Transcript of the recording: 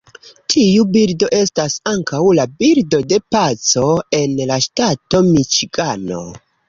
Tiu birdo estas ankaŭ la birdo de paco en la ŝtato Miĉigano.